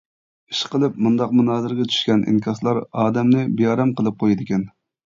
ئىشقىلىپ مۇنداق مۇنازىرىگە چۈشكەن ئىنكاسلار ئادەمنى بىئارام قىلىپ قويدىكەن.